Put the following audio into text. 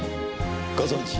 ご存じ